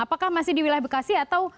apakah masih di wilayah bekasi atau